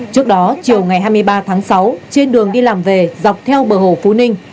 trước đó chiều ngày hai mươi ba tháng sáu trên đường đi làm về dọc theo bờ hồ phú ninh